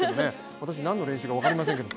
私、何の練習か分かりませんけど。